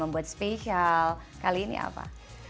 membuat spesial kali ini apa